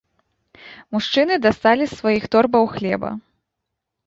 Мужчыны дасталі з сваіх торбаў хлеба.